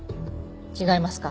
違いますか？